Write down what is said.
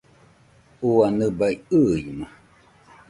ua nɨbai ɨima!